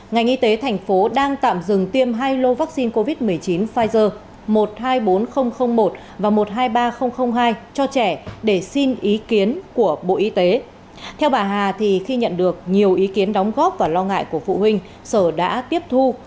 ngành y tế thành phố đang tạm dừng tiêm hai lô vaccine